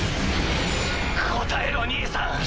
答えろ兄さん。